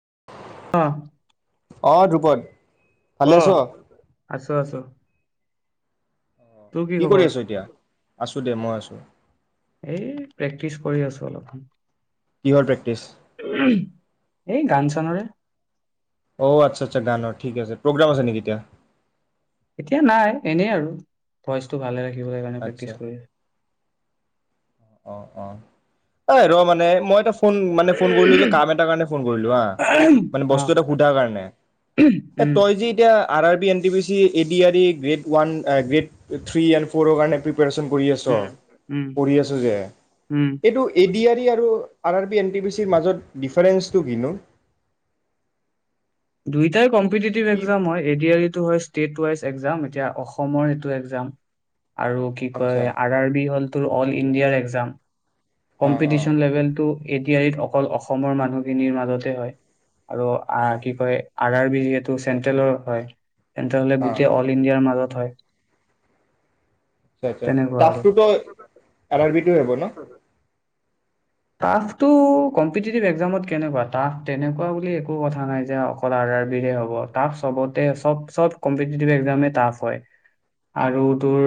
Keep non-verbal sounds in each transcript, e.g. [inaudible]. [inaudible] আহ অ', ধ্ৰুপদ ভালে আছ অ', কি আছোঁ, আছোঁ। কি কৰি আছ এতিয়া? আছোঁ দে। মই আছোঁ এই, প্ৰেক্টিছ কৰি আছোঁ অলপমান। কিহৰ প্ৰেক্টিচ এই গান চা গানৰে অ', আচ্ছা আচ্ছা। গানৰ। ঠিক আছে। প্ৰগ্ৰাম আছে নেকি এতিয়া? এতিয়া নাই। এনেই আৰু ভইচটো ভালে [unintelligible] কাৰণে প্ৰেক্টিছ আচ্ছা কৰি অ', অ', অই, ৰে, মানে, মই এটা ফোন, মানে, ফোন কৰিলোঁ যে। কাম এটা কাৰণে ফোন কৰিলোঁ। হা, মানে, অ বস্তু এটা সোধাৰ কাৰণে। এ, উম তই যে এতিয়া R R B N T P C, A D R E grade one, grade three and ফ'ৰৰ কাৰণে প্ৰি পেৰেচন কৰি আছ আও? উম উম কৰি আছোঁ যে, উম এইটো এ ডি ই আৰু R R B N T P C ৰ মাজত ডিফাৰেঞ্চটো কিনো? দুইটাই কম কম্পিটিটিভ কি এক্সাম হয় এ ডি আৰ ই টো হয় ষ্টেট ৱাইজ এক্সজাম এতিয়া অসমৰ এটো এক্সজাম আৰু কি আচ্ছা কয় আৰ আৰ বি হ'ল তোৰ অল ইণ্ডিয়াৰ এক্সাম অ অ কম্পিটিশন লেভেল টো এ ডি আৰ ইত অকল অসমৰ মানুহখিনিৰ মাজতে হয়। আৰু আ অ কি কয় আৰ আৰ বি যিহেতু চেন্ট্ৰেলৰ হয় সিহঁতৰ হলে অ গোটেই অল ইণ্ডিয়াৰ মাজত হয় আচা আচ্ছা তেনেকুৱা আৰু। তাছটো থকা। কি হব ন টাফটো কম্পিটিটিভ এক্সামত কেনেকোৱা টাফ তেনেকোৱা বুলি একো কথা নাই যে অকল আৰ আৰ বিহে হ'ব টাফ চবতে চব চব কম্পিটিটিভ এক্সামে টাফ হয় আৰু তোৰ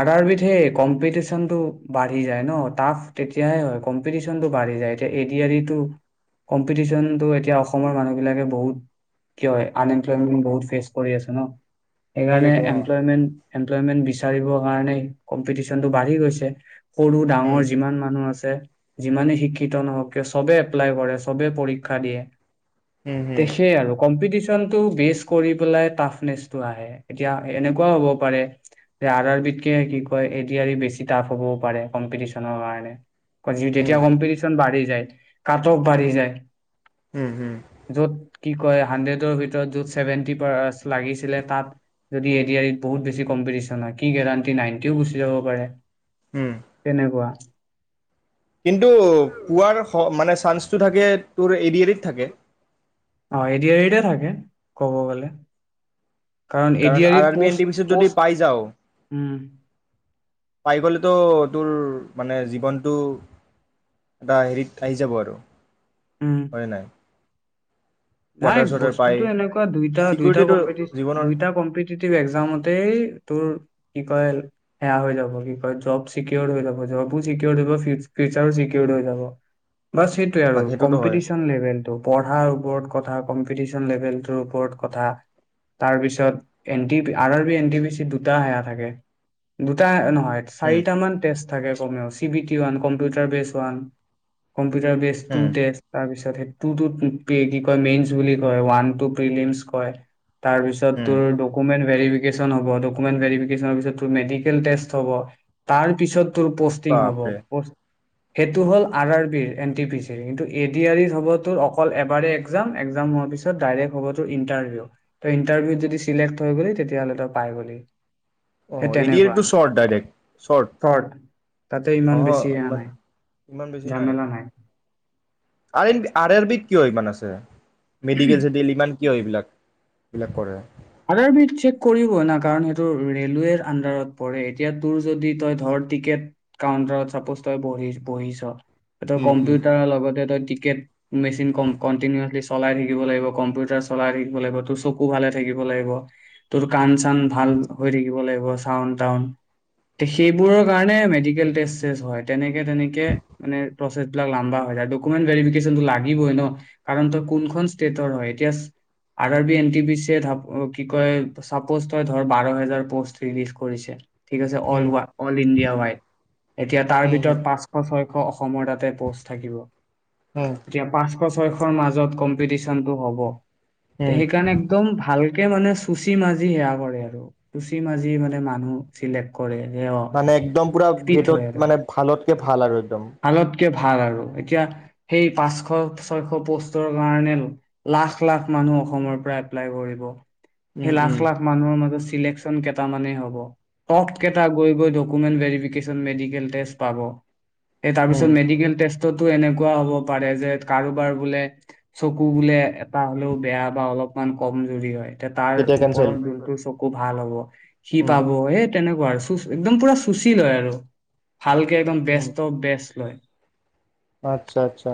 আৰ আৰ বিতহে কম্পিটিচনটো বাঢ়ি যায় ন টাফ তেতিয়াহে হয় কম্পিটিচনটো বাঢ়ি যায় এতিয়া এ দি আৰ ইটো কম্পিটিচনটো এতিয়া অসমৰ মানুহ বিলাকে বহুত কি হয় আনএমপ্লয়মেন্ট বহুত ফেচ কৰি আছে ন সেইকাৰণে তাকেইতো অ এমপ্লয়মেণ্ট এমপ্লয়মেন্ট বিচাৰিবৰ কাৰণে কম্পিটিচনটো বাঢ়ি গৈছে সৰু উম ডাঙৰ যিমান মানুহ আছে তে যিমানে শিক্ষিত নহওক কিয় সবে এপ্লাই কৰে সবে পৰীক্ষা দিয়ে। উম হম সেয়ে আৰু কম্পিটিশন কম্পিটিছন টো বেচ কৰি পেলাই টাফনেচটো আহে এতিয়া এনেকুৱাও হ'ব পাৰে যে আৰ আৰ বিতকে কি কয় এ দি আৰ ই বেছি টাফ হবও পাৰে কম্পিটিশনৰ কাৰণে উম তেতিয়া কম্পিটিশ্যন বাঢ়ি যায়। কাট অফ বাঢ়ি যায়। হম হম য'ত কি কয় হাণ্ড্ৰেডৰ ভিতৰত য'ত চছেভেণ্টি পাৰ লাগিছিলে তাত যদি এ দি আৰ ইত বহুত বেছি কম্পিটিশন হয় কি গেৰাণ্টি নাইনটিও গুচি যাব পাৰে উম তেনে কোৱা কিন্তু পুৱাৰ স মানে চান্সটো থাকে তোৰ এ দি আৰ ইত থাকে। এ দি আৰ ইতে থাকে কব গ'লে কাৰণ আৰ এডিআৰিত R B N post T P চিত যদি পষ্ট পাই যাও উম পাই গ'লেতো তোৰ মানে জীৱনটো এটা হেৰিত আহি যাব আৰু উম হয় নে নাই নাই কোৱাৰ্টাৰ চোৱাৰ্টাৰ পাই বস্তুতটো এনেকুৱা দুইটা দুইটা চিকিউৰিটিটো কম্পিটিটিভ জীৱনৰ দুইটা কম্পিটিটিভ এক্জামতেই তোৰ কি কয় সেয়া হৈ যাব কি কয় জব চিকিৰ হৈ যাব জবো চিকিৰ হৈ ফিউচাৰো চিকিৰ হৈ যাব বাছ সেইটোয়ে আৰু তাক সেইটোতো হয় কম্পিটিচন লেভেলতটো পঢ়াৰ ওপৰত কথা, কম্পিটিচন লেভেলটোৰ ওপৰত কথা, তাৰ পিছত N T R R B N T P C দুটা সেয়া থাকে। দুটা ন পাৰে উম চাৰিটা মান টেস্ট থাকে C BT computer base one computer বেছ তো উম তাৰ পিছত সেইটোোেগ মেইনচ বুলি কয় ওৱান টু প্ৰিলিমছ কয় তাৰ পিছত উম তোৰ ডকুমেন্ট ভেৰিফিকেচন হব, ডকুমেণ্ট ভেৰিফিকেচন অফিচত তোৰ মেডিকেল টেষ্ট হ'ব, তাৰ পিছত তোৰ পোষ্টিং হ'ব বাপৰে পোষ্ট সেইটো হ'ল আৰ আৰ বিৰ এন টি পি চি কিন্তু এডি আৰ ইৰ হব অকল এবাৰ এক্সাম, এক্সাম হোৱাৰ পিছত ডাইৰেক্ট হব তোৰ ইটাৰভিউ, তই ইটাৰভিউত যদি চিলেক্ট হৈ গলি তেতিয়াহলে তই পাই গলি অ সেই এড তেনেকুৱা এটো চৰ্ট ডাইৰেক্ট চৰ্ট তাতে ইমান অ বেছি এয়া ইমান নাই ইমান বেছি নাই আইদ আৰ আৰ বিত কিয় ইমান আছে মেডিকেল চিটল ইমান কিয় এইবিলাক এইবিলাক কৰে আৰ আৰ বিত চেক কৰিব না কাৰণ সেইটো ৰেলৱেৰ আন্দাৰত পৰে এতিয়া তোৰ যদি তই ধৰ টিকেট কাউন্টাৰত চাপ'ছ তই বহিছ এইটো উম উম কম্পিউটাৰৰ লগতে তই মেচিন কনটিনিউচলি চলাই থাকিব লাগিব কম্পিউটাৰ চলাই থাকিব লাগিব তোৰ চকু ভালে থাকিব লাগিব তোৰ কাণ চান ভাল হৈ থাকিব লাগিব চাউন টাউন উম সেইবোৰৰ কাৰণে মেডিকেল ফেজ ফেজ হয় তেনেকে তেনেকে মানে প্ৰচ লাম্বা হয় যায় ডকুমেন্ট ভেৰিফিকেচন টো লাগিবই ন কাৰণ তই কোনখন ষ্টেটৰ হয় এতিয়া চা R R B N T P কি কয় চাপ'জ তই ধৰ বাৰ হেজাৰ পষ্ট ৰিলিজ কৰিছে ঠিক আছে all um all India wide এতিয়া তাৰ উম ভিতৰত পাঁচশ ছয়শ অ অ অসমৰ তাতে পষ্ট থাকিব উম এতিয়া পাঁচ এশ ছয়শৰ মাজত কম্পিটিশনটো হ'ব উম সেইকাৰণে একদম ভাল তে মানে চুচি মাজি সেয়া কৰে আৰু চুচি মাজি মানে মানুহ চিলেক্ট কৰে যে অ মানে একদম পুৰা ফিট হয় ভেদত আৰু মানে ভালতকে ভাল আৰু একদম কে ভাল আৰু এতিয়া সেই পাঁচশ ছয়শ পষ্টৰ কাৰণে লাখ লাখ মানুহ অসমৰ পৰা এপ্লাই কৰিব উম স উম লাখ লাখ মানৱ ম হপ গক ভ মেল পাব উম তাৰপিছত মেডিকেল ো এনেকুৱা হ'ব পাৰে যে কাৰোবাৰ বোলে চকু বোলে এটা হ'লেও বেয়া বা অলপমান কমজুৰি হয় এতিয়া তাৰ তেতিয়া কেনচেল ওপৰত যোনটো চ আুব ভাল হ'ব সি উম পাব এইটো তেনেকুৱা আৰুু এক্দম পুৰা চুশীল হয় আৰু ভালকে একদম উম বস্ত বেস লয় আচ্ছা আচ্ছা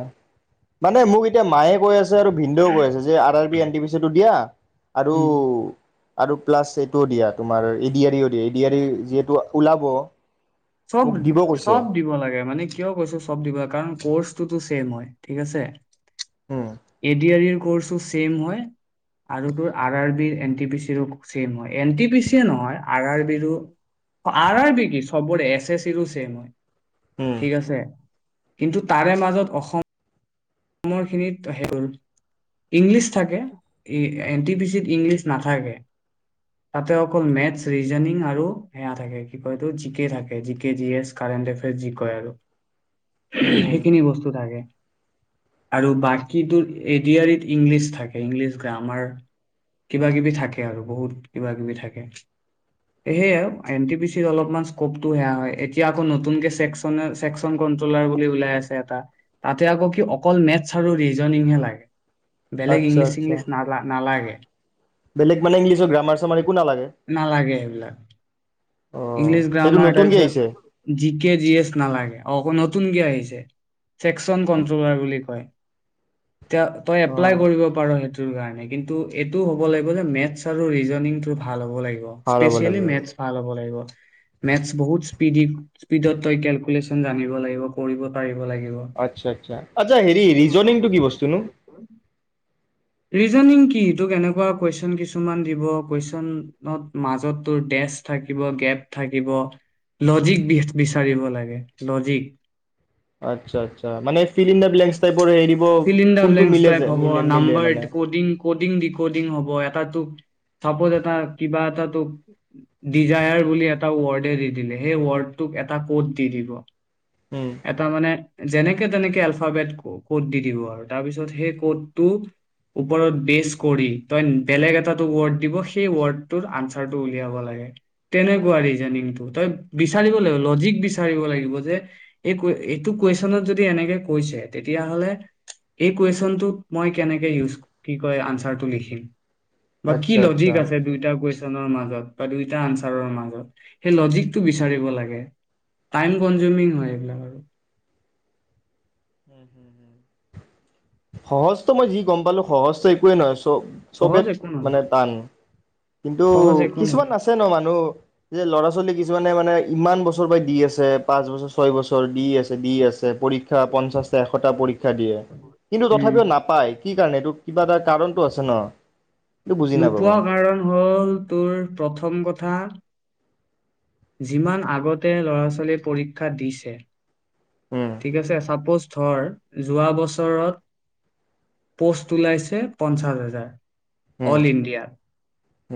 মানে মোক এতিয়া মায়ে কৈ আছে আৰু ভিন্দেও কৈ আছে যে আৰ বি এনটি পি চিটো দিয়া আৰু উম আৰু প্লাছ এইটোও দিয়া তোমাৰ ইডি আৰিও দিয়া ইডি আৰী যিহেতু ওলাব চব মোক দিব কৈছে চব দিব লাগে মানে কিয় কৈছো চব দিব লাগে কাৰণ ম হয় ঠিক আছে উম এডি আৰৰ কৰ্চো চছেম হয় আৰু তোৰ আৰ আৰ বি ৰ এন টি পি চি ৰো চছেম হয় এন টি পি চি নহয় আৰ আৰ বি ৰো আৰ আৰ বি কি চবৰে এছ এছ ই ৰো চছেম হয় উম ঠিক আছে কিন্তু তাৰে মাজত অসম অসমৰখিনিত সেইব ইংলিছ থাকে এন টি পি চিত ইংলিছ নাথাকে তাতে অকল মেথছ ৰিজনিং আৰু সেয়া থাকে কি কয় এইটো জি কে থাকে G K G S current affairs যি কয় আৰু উম, সেইখিনি বস্তু থাকে আৰু বাকী তো এড আৰিত ইংলিছ থাকে ইংলিছ গ্ৰামাৰ কিবা কিবি থাকে আৰু বহুত কিবা কিবি থাকে সেয়ে আৰু এন টি পি চিত অলপমান স্কপটো সেয়া হয় এতিয়া আকৌ নতুনকে চেকনে চছেকচন কন্ট্ৰলাৰ বুলি ওলাই আছে এটা তাতে আকৌ কি অকল মেথছ আৰু ৰিজনংহে লাগে বলেগ আচ্ছা ইংলিছ আচ্ছা ইংলিছ নাললা নালাগে বেলেগ মান ইংলিছৰ গ্ৰামাৰ চাৰে নালাগে এইেইবিলাক অ', ইংলিছ সেইটো গ্ৰামাৰ নতুনকে আহিছে? তাৰপিছত জি কে জি এছ নালাগে অ অকৌ নতুনকৈ আহিছে চেক্চন কন্ট্ৰলাৰ বুলি কয় এ তই এপ্লাই অ', কৰিব পাৰ সেইটো কিন্তু এইটোও হ'ব লাগিব যে মেথছ আৰু ৰিজনং তটো ভাল ভাল হ'ব িয়েল লাগিব। মে ভাল হ'ব লাগিব মে বহুত স্পিড স্পীডত তইেলকুলচন জানিব লাগিব কৰিব পাৰিব লাগিব আচ্ছা আচ্ছা আচ্ছা হেৰি ৰিজনংটো কি বস্তুনো ৰিজনিং কি তোক এনেকুৱা কুৱেশন কিছুমান দিব কুৱেশন মাজত তোৰ ডেচ থিব গেপ থাকিব লজিক বিচাৰিব লাগ আচ্ছা আচ্ছা মানে fill in the blanks type fill in the blanks type হ'ব, মিলে নাম্বাৰ মানে ক'ডিং ক'ডিং-ডিক'ডিং হ'ব এয়াত এ ক এোকি [unintelligible] এড দিল সেইডোক এটা কত দি দিব উম, এটা মানে যেনেকে তেনেকে আলফাবেেট ক'ত দি দ আৰু তাৰপিছত সেই কডটো ওপৰত বেচ কৰি তই বেলেগ এটা ৰ্ড দিব সেই ৱৰ্ডৰ আনচাৰটো উলিয়াব লাগে তেনেকুৱা ৰিজনিংটো তই বিচাৰিব লাগিব লজিক বিচাৰিব লাগিব যে এই এইটো কুৱেশ্যনত যদি এনেকে কৈছে তেতিয়াাহলে এই কুৱেশনটোত মই কেনেকে ইউজ কি কয় আনচাৰটো লিখিম বা কি আচ্ছা আচ্ছা। লজিক আছে দুইটা কৈ দুয়োটা আনচাৰৰ মাজত সেই লজিকটো বিচাৰিব লাগে টাইম কনজোমিক হয় সহজ্ত মই যি গম পালো সহজ একোৱে নহয় আছো চব সহজ চবেত একো মানে নহয় টান কিন্তু সহজ একো কিছুমান নহয় আছে ন মানুহ যে ল'ৰা ছোৱালী কিছুমানে মানে ইমান বছৰৰ পৰা দি আছে পাঁচ বছৰ ছয় বছৰ দি আছে দি আছে পৰীক্ষা পঞ্চাশটা এশটা পৰীক্ষা শিক্ষা দিয়ে উম তথাপিও নাপায় কি কাৰণে এইটো কিবা এটা কাৰণতটো আছে ন এইটো বুজি নাপাওঁ নোপোৱা মই কাৰণ হ'ল তোৰ প্ৰথম কথা যিমান আগতে ল'ৰা ছোৱালীয়ে পৰীক্ষা দিছে উম ঠিক আছে চাপোজ যোৱা বছৰত প'ষ্ট ওলাইছে পঞ্চাছ হাজাৰ উম অল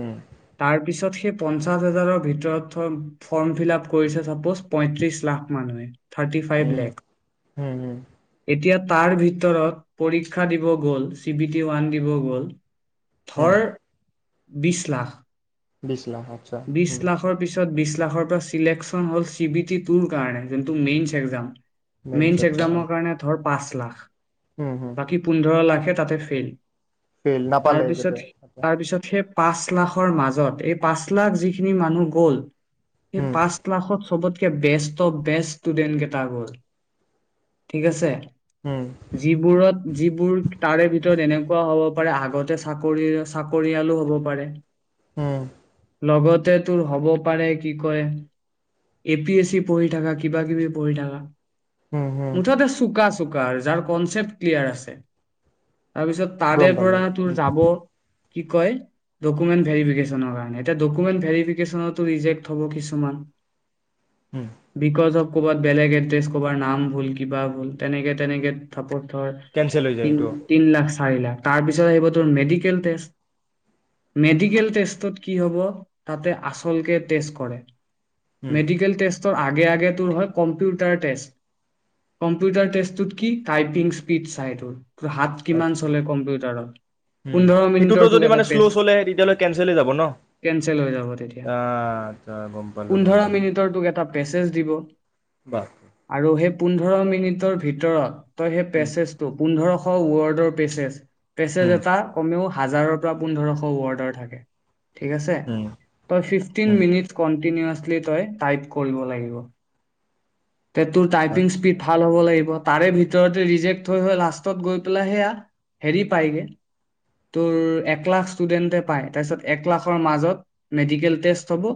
উম পঞ্চাশ হাজাৰৰ ভিতৰত থ ফৰ্ম ফিল আপ কৰিছে চাপ'জ পঁয়ত্ৰিশ লাখ মানুহে থাৰটি ফাইভ উম লেখ উম উম এতিয়া তাৰ ভিতৰত পৰীক্ষা দিব গ'ল চি বি টি ওৱান দিব গ'ল উম ধৰ বিশছ লাখ বিশ বিশ লাখৰ পিছত বিশ লাখ লা চেকন হল চি বি টি কাৰণে যোনটো মেইন এক্মম মেইনছ মেইন আচ্ছা এক্জামৰ কাৰণে ধৰ পাছ লাখ উম উম বাকী পোন্ধৰ লাখে তাতে ফেইল ফেইল নাপালে এইকেইটাই তাৰপিছত তাৰ পিছত সেই পাচ লাখৰ মাজত এই পাঁচ [unintelligible] ‌ যিখিনি মানুহ গ'ল সেই উম পাঁচ লাখত চবত [unintelligible] বেষ্ট বেষ্ট ষ্টুডেণ্ট কেইটা হ'ল ঠিক আছে। উম যিবোৰত যিবোৰ, তাৰে ভিতৰ তেনেকুৱা হ'ব পাৰে আগতে চাকৰি চাকৰিয়ালো হ'ব পাৰে। উম। লগতে তোৰ হ'ব পাৰে কি কয় এ পি এছ চি পঢ়ি থাকা কিবা কিবি পঢ়ি থাকা। উম উম মুঠতে চুকা চুকা যাৰ কনচেপ্ ক্লিয়াৰ আছে তাৰপিছত তাৰে গম পৰা পালোঁ তোৰ যাব কি কয় ডকুমেণ্ট ভেৰিফিকেচন কাৰণে। এটা ডকুমেণ্ট ভেৰিফিকেশ্যনতো ৰিজেক্ট হ'ব কিছুমান। উম বিকজ অফ কৰ'বাত বেলেগ এড্ৰেছ কৰবাত নাম ভুল কিবা ভুল তেনেকে তেনেকে [unintelligible] [unintelligible] কেনচেল হৈ যায় তই এইটো তিনলাখ হাৰিলা তাৰ পিছত আহিব মেডিকেল টেষ্ট। কি হ'ব তাতে আচলকে টেষ্ট কৰে। উম মেডিকেল টেষ্টদ আগে আগে তোৰ হয় কম্পিউটাৰ টেষ্ট কম্পিউটাৰ টেষ্টত কি টাইপিং স্পিড চাই তোৰ। তোৰ হাত কিমান আতচ্ছা চলে কম্পিউটাৰত। উম পোন্ধৰ সেইটোতো মিনিটৰ তোক যদি এটা মানে শ্ল' পেজ চলে তেতিয়াহলে কেনচেলে হৈ যাব ন। কেনচেল হৈ যাব তেতিয়া। আহ আচ্ছা গম পালো গম পোন্ধৰ পালো মিনিট তোক এটা। মেচেজ দিব বাহ আৰু সেই পোন্ধৰ মিনিটৰ ভিতৰত। তই সেই উম পেচছটো পোন্ধৰ শ ৱডৰ পেছেজ পেচেজ উম এটা কমেও হাজাৰৰ পৰা পোন্ধৰশ ৱৰ্ডৰ থাকে। ঠিক আছে উম তই ফিফটিন উম মিনিট ক কণ্টিনুৱাছলি তই টাইপ কৰিব লাগিব। তে তোৰ টাইপিং আচ্ছা স্পীড ভাল হ'ব লাগিব। তাৰে ভিতৰতে ৰিজেক্ট হৈ হৈ লাষ্টত গৈ পেলাই সেয়া হেৰি পায়গে তোৰ এক লাখ ষ্টুডেন্টে পায় তাৰপিছত এক লাখৰ মাজত মেডিকেল টেষ্ট হ'ব।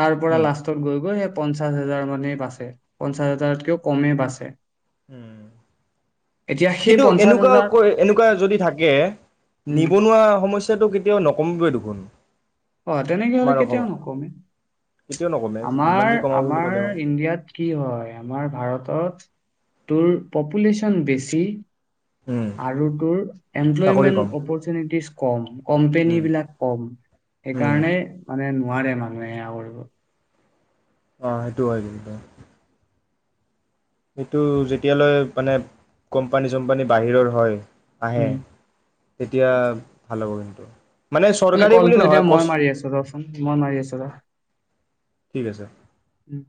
তাৰ পৰা উম লাষ্টত গৈ গৈ ইয়াত। পঞ্চাশ হাজাৰ মানে বাছে। পঞ্চাছ হাজাৰতকও কমে বাছে উম, সেই কিন্তু পঞ্চাশ এনেকুৱা হাজাৰ কৈ এনেকুৱা যদি থাকে, উম, নিবনুৱা সমস টো কেতিয়াও নকমিবই দেখোন! অ', তেনেকে হ'লে আমাৰ কেতিয়াও অসমত নকমে। কেতিয়াও নকমে যিমান আমাৰ, যি কমাব বুলি আমাৰ ক'লেও ইণ্ডিয়াত কি হয়, আমাৰ ভাৰতত তোৰ পপুলেচন বেছি। উম আৰু তোৰ চাকৰি কম এমপ্লয়মেন্ট অপ'ৰচোনিটিচ কম, উম কম্পেনীবিলাক কম, উম সেইকাৰণেই মানে নোৱাৰে মানুহে আৰু। অ', হেইতু হয় কিন্তু। সেইটো যেতিয়ালৈ মানে কোম্পানী-চোম্পানী বাহিৰৰ হয়। আহে। উম, তেতিয়া ভাল হ'ব কিন্তু। মানে চৰকাৰী বুলি কলটো এতিয়া নহয় মই কষ্ট মাৰি আছোঁ ৰচোন, মই মাৰি আছো ৰ। ঠিক আছে উ।